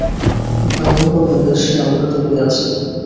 ভয়াবহ নৈরাশ্যে আমরা ডুবে আছি।